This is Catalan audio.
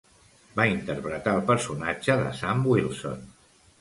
Va interpretar el personatge de Sam Wilson.